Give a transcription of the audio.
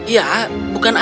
ya bukan aku